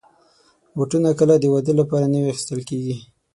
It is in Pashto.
بوټونه کله د واده لپاره نوي اخیستل کېږي.